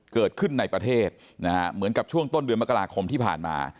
เกิดขึ้นในประเทศนะฮะเหมือนกับช่วงต้นเดือนมกราคมที่ผ่านมา